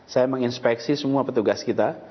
saya menginspeksi semua petugas kita